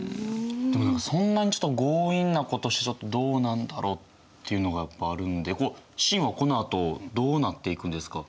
でもそんなに強引なことしちゃってどうなんだろうっていうのがやっぱあるんで秦はこのあとどうなっていくんですか？